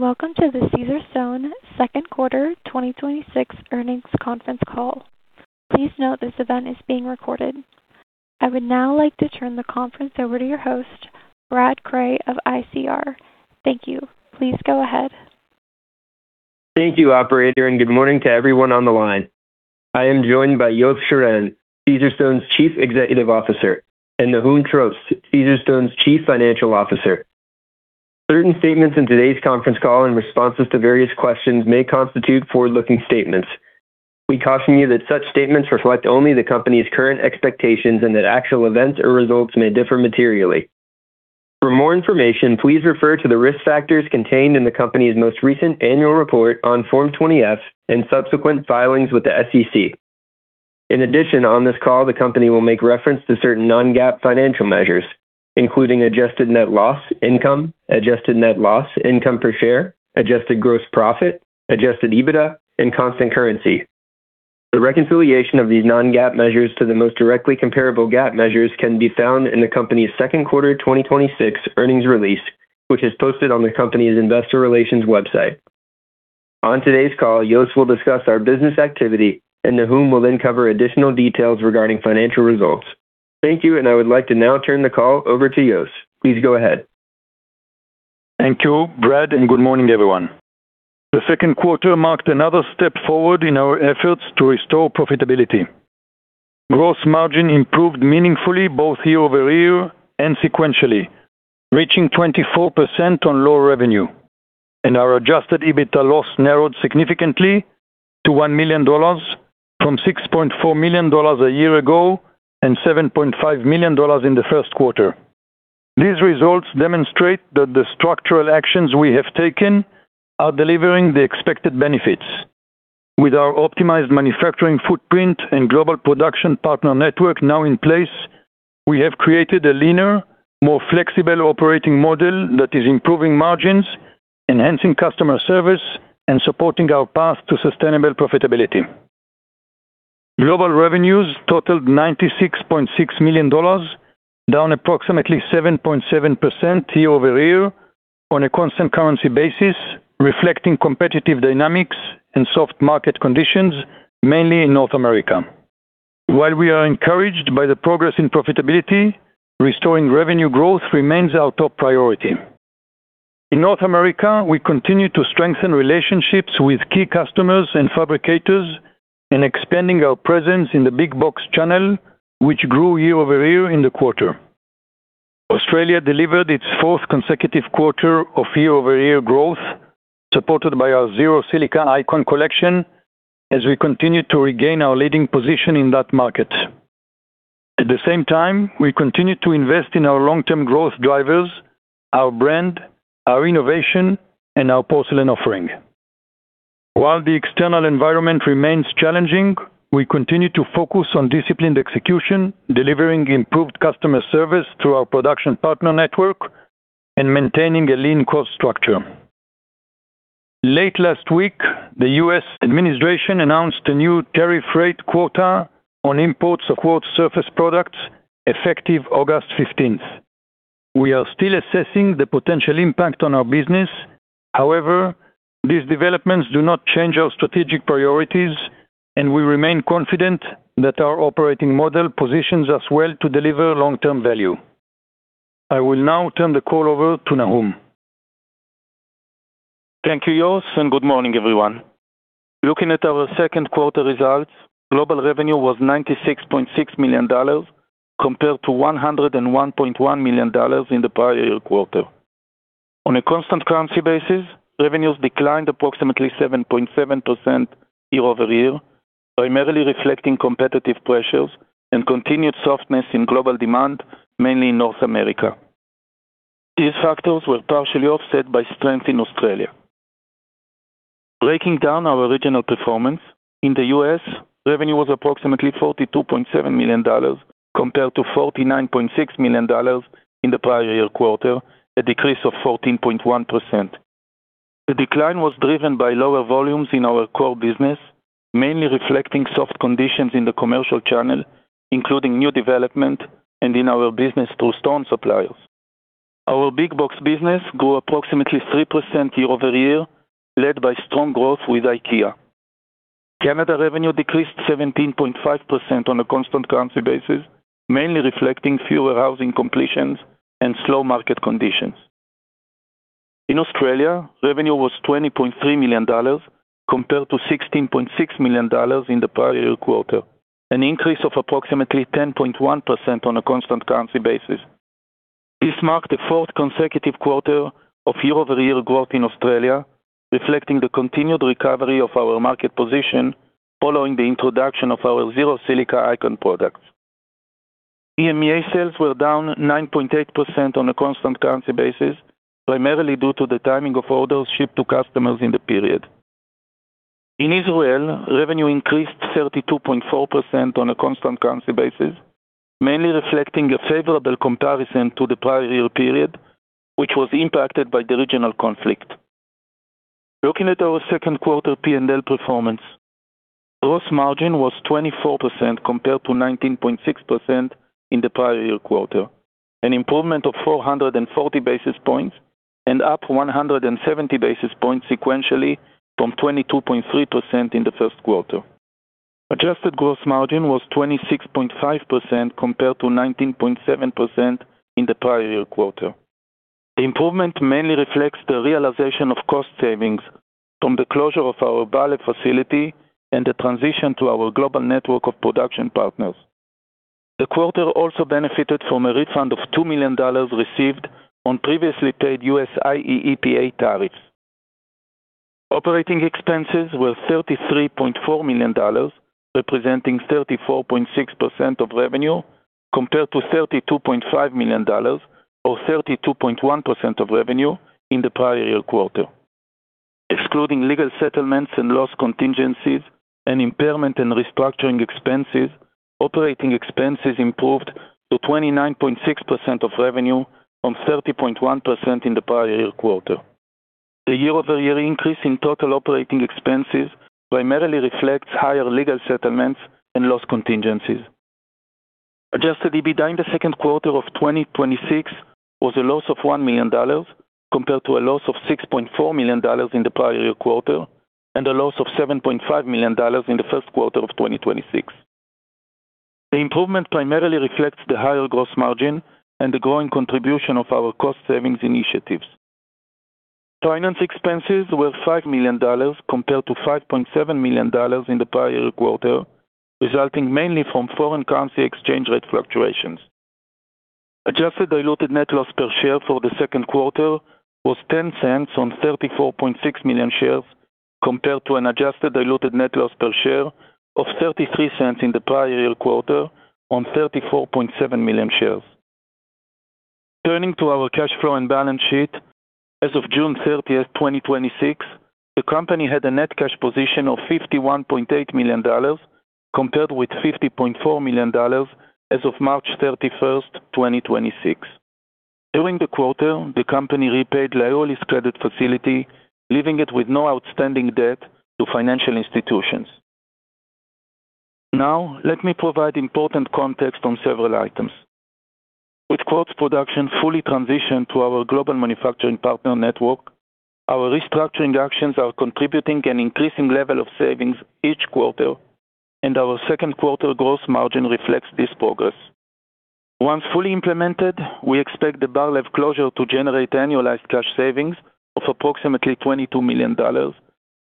Welcome to the Caesarstone second quarter 2026 earnings conference call. Please note this event is being recorded. I would now like to turn the conference over to your host, Brad Cray of ICR. Thank you. Please go ahead. Thank you, operator. Good morning to everyone on the line. I am joined by Yos Shiran, Caesarstone's Chief Executive Officer, and Nahum Trost, Caesarstone's Chief Financial Officer. Certain statements in today's conference call and responses to various questions may constitute forward-looking statements. We caution you that such statements reflect only the company's current expectations and that actual events or results may differ materially. For more information, please refer to the risk factors contained in the company's most recent annual report on Form 20-F and subsequent filings with the SEC. In addition, on this call, the company will make reference to certain non-GAAP financial measures, including adjusted net loss income, adjusted net loss income per share, adjusted gross profit, adjusted EBITDA, and constant currency. The reconciliation of these non-GAAP measures to the most directly comparable GAAP measures can be found in the company's second quarter 2026 earnings release, which is posted on the company's investor relations website. On today's call, Yos will discuss our business activity. Nahum will then cover additional details regarding financial results. Thank you. I would like to now turn the call over to Yos. Please go ahead. Thank you, Brad. Good morning, everyone. The second quarter marked another step forward in our efforts to restore profitability. Gross margin improved meaningfully both year-over-year and sequentially, reaching 24% on low revenue. Our adjusted EBITDA loss narrowed significantly to $1 million from $6.4 million a year ago and $7.5 million in the first quarter. These results demonstrate that the structural actions we have taken are delivering the expected benefits. With our optimized manufacturing footprint and global production partner network now in place, we have created a leaner, more flexible operating model that is improving margins, enhancing customer service, and supporting our path to sustainable profitability. Global revenues totaled $96.6 million, down approximately 7.7% year-over-year on a constant currency basis, reflecting competitive dynamics and soft market conditions, mainly in North America. While we are encouraged by the progress in profitability, restoring revenue growth remains our top priority. In North America, we continue to strengthen relationships with key customers and fabricators and expanding our presence in the big box channel, which grew year-over-year in the quarter. Australia delivered its fourth consecutive quarter of year-over-year growth, supported by our silica-free ICON collection, as we continue to regain our leading position in that market. At the same time, we continue to invest in our long-term growth drivers, our brand, our innovation, and our Porcelain offering. While the external environment remains challenging, we continue to focus on disciplined execution, delivering improved customer service through our production partner network, and maintaining a lean cost structure. Late last week, the U.S. administration announced a new tariff-rate quota on imports of quartz surface products effective August 15th. We are still assessing the potential impact on our business. However, these developments do not change our strategic priorities, and we remain confident that our operating model positions us well to deliver long-term value. I will now turn the call over to Nahum. Thank you, Yos, and good morning, everyone. Looking at our second quarter results, global revenue was $96.6 million compared to $101.1 million in the prior year quarter. On a constant currency basis, revenues declined approximately 7.7% year-over-year, primarily reflecting competitive pressures and continued softness in global demand, mainly in North America. These factors were partially offset by strength in Australia. Breaking down our regional performance, in the U.S., revenue was approximately $42.7 million compared to $49.6 million in the prior year quarter, a decrease of 14.1%. The decline was driven by lower volumes in our core business, mainly reflecting soft conditions in the commercial channel, including new development and in our business through stone suppliers. Our big box business grew approximately 3% year-over-year, led by strong growth with IKEA. Canada revenue decreased 17.5% on a constant currency basis, mainly reflecting fewer housing completions and slow market conditions. In Australia, revenue was $20.3 million compared to $16.6 million in the prior year quarter, an increase of approximately 10.1% on a constant currency basis. This marked the fourth consecutive quarter of year-over-year growth in Australia, reflecting the continued recovery of our market position following the introduction of our silica-free ICON products. EMEA sales were down 9.8% on a constant currency basis, primarily due to the timing of orders shipped to customers in the period. In Israel, revenue increased 32.4% on a constant currency basis, mainly reflecting a favorable comparison to the prior year period, which was impacted by the regional conflict. Looking at our second quarter P&L performance, Gross margin was 24% compared to 19.6% in the prior year quarter, an improvement of 440 basis points and up 170 basis points sequentially from 22.3% in the first quarter. Adjusted gross margin was 26.5% compared to 19.7% in the prior year quarter. The improvement mainly reflects the realization of cost savings from the closure of our Bar-Lev facility and the transition to our global network of production partners. The quarter also benefited from a refund of $2 million received on previously paid U.S. IEEPA tariffs. Operating expenses were $33.4 million, representing 34.6% of revenue, compared to $32.5 million or 32.1% of revenue in the prior year quarter. Excluding legal settlements and loss contingencies and impairment and restructuring expenses, operating expenses improved to 29.6% of revenue from 30.1% in the prior year quarter. The year-over-year increase in total operating expenses primarily reflects higher legal settlements and loss contingencies. Adjusted EBITDA in the second quarter of 2026 was a loss of $1 million, compared to a loss of $6.4 million in the prior year quarter and a loss of $7.5 million in the first quarter of 2026. The improvement primarily reflects the higher gross margin and the growing contribution of our cost savings initiatives. Finance expenses were $5 million compared to $5.7 million in the prior year quarter, resulting mainly from foreign currency exchange rate fluctuations. Adjusted diluted net loss per share for the second quarter was $0.10 on 34.6 million shares, compared to an adjusted diluted net loss per share of $0.33 in the prior year quarter on 34.7 million shares. Turning to our cash flow and balance sheet, as of June 30th, 2026, the company had a net cash position of $51.8 million, compared with $50.4 million as of March 31st, 2026. During the quarter, the company repaid [Leumi] credit facility, leaving it with no outstanding debt to financial institutions. Let me provide important context on several items. With Quartz production fully transitioned to our global manufacturing partner network, our restructuring actions are contributing an increasing level of savings each quarter, and our second quarter gross margin reflects this progress. Once fully implemented, we expect the Bar-Lev closure to generate annualized cash savings of approximately $22 million,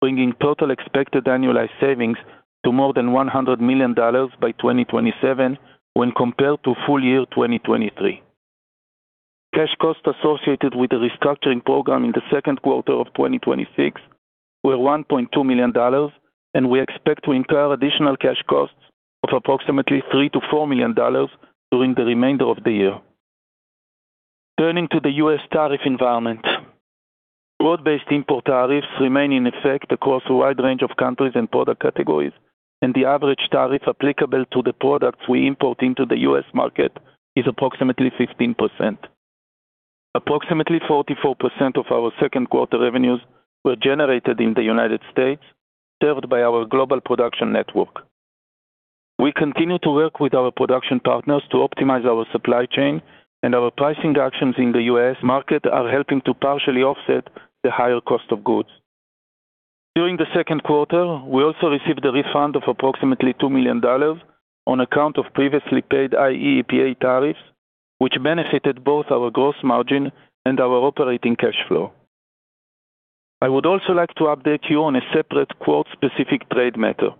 bringing total expected annualized savings to more than $100 million by 2027 when compared to full year 2023. Cash costs associated with the restructuring program in the second quarter of 2026 were $1.2 million. We expect to incur additional cash costs of approximately $3 million-$4 million during the remainder of the year. Turning to the U.S. tariff environment. Broad-based import tariffs remain in effect across a wide range of countries and product categories. The average tariff applicable to the products we import into the U.S. market is approximately 15%. Approximately 44% of our second quarter revenues were generated in the United States, served by our global production network. We continue to work with our production partners to optimize our supply chain. Our pricing actions in the U.S. market are helping to partially offset the higher cost of goods. During the second quarter, we also received a refund of approximately $2 million on account of previously paid IEEPA tariffs, which benefited both our gross margin and our operating cash flow. I would also like to update you on a separate quartz-specific trade matter.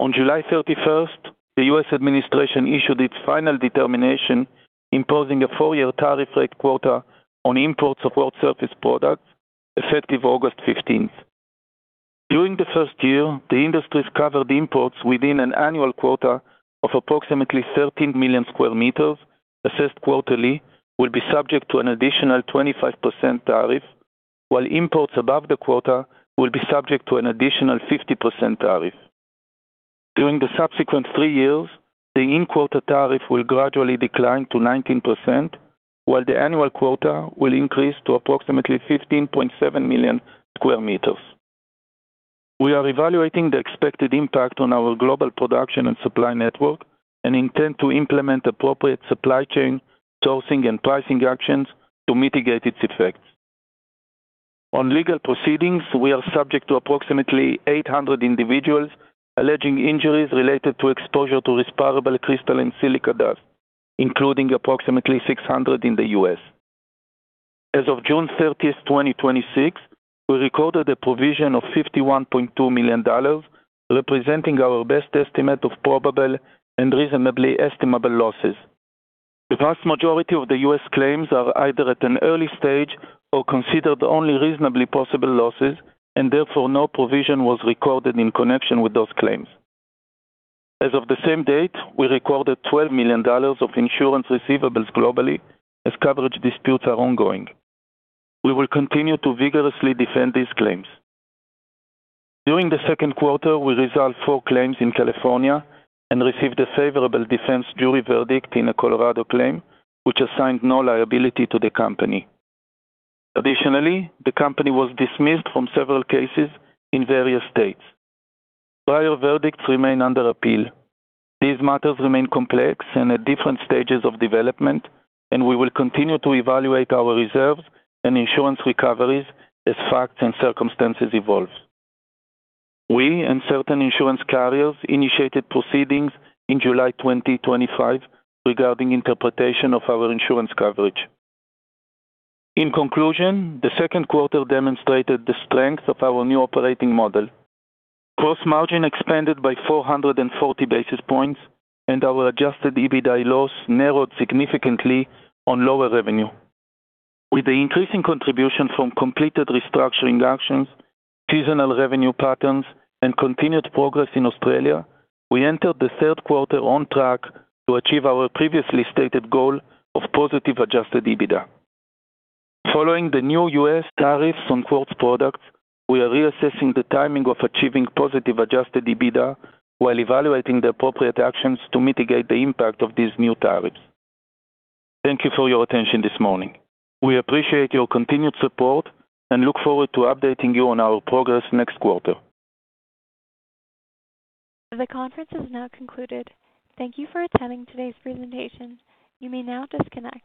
On July 31st, the U.S. administration issued its final determination, imposing a four-year tariff-rate quota on imports of quartz surface products effective August 15th. During the first year, the industries covered imports within an annual quota of approximately 13,000,000 sq m, assessed quarterly, will be subject to an additional 25% tariff, while imports above the quota will be subject to an additional 50% tariff. During the subsequent three years, the in-quota tariff will gradually decline to 19%, while the annual quota will increase to approximately 15,700,000 sq m. We are evaluating the expected impact on our global production and supply network and intend to implement appropriate supply chain sourcing and pricing actions to mitigate its effects. On legal proceedings, we are subject to approximately 800 individuals alleging injuries related to exposure to respirable crystalline silica dust, including approximately 600 in the U.S. As of June 30th, 2026, we recorded a provision of $51.2 million, representing our best estimate of probable and reasonably estimable losses. The vast majority of the U.S. claims are either at an early stage or considered only reasonably possible losses, and therefore no provision was recorded in connection with those claims. As of the same date, we recorded $12 million of insurance receivables globally as coverage disputes are ongoing. We will continue to vigorously defend these claims. During the second quarter, we resolved four claims in California and received a favorable defense jury verdict in a Colorado claim, which assigned no liability to the company. Additionally, the company was dismissed from several cases in various states. Prior verdicts remain under appeal. These matters remain complex and at different stages of development, and we will continue to evaluate our reserves and insurance recoveries as facts and circumstances evolve. We and certain insurance carriers initiated proceedings in July 2025 regarding interpretation of our insurance coverage. In conclusion, the second quarter demonstrated the strength of our new operating model. Gross margin expanded by 440 basis points and our adjusted EBITDA loss narrowed significantly on lower revenue. With the increasing contribution from completed restructuring actions, seasonal revenue patterns, and continued progress in Australia, we entered the third quarter on track to achieve our previously stated goal of positive adjusted EBITDA. Following the new U.S. tariffs on quartz products, we are reassessing the timing of achieving positive adjusted EBITDA while evaluating the appropriate actions to mitigate the impact of these new tariffs. Thank you for your attention this morning. We appreciate your continued support and look forward to updating you on our progress next quarter. The conference has now concluded. Thank you for attending today's presentation. You may now disconnect.